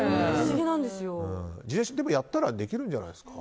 でも、やったらできるんじゃないですか。